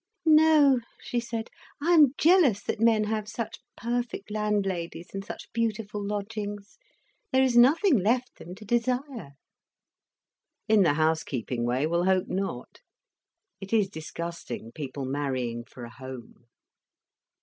"No," she said. "I am jealous that men have such perfect landladies and such beautiful lodgings. There is nothing left them to desire." "In the house keeping way, we'll hope not. It is disgusting, people marrying for a home."